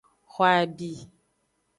Xo abi.